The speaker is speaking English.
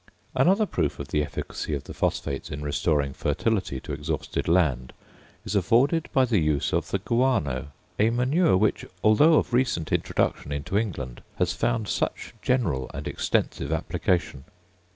Another proof of the efficacy of the phosphates in restoring fertility to exhausted land is afforded by the use of the guano a manure which, although of recent introduction into England, has found such general and extensive application.